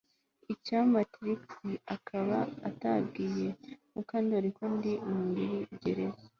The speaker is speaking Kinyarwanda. Icyampa Trix akaba atabwiye Mukandoli ko ndi muri gereza